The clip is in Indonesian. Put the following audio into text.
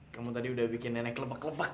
kamu tadi udah bikin nenek lepak lepak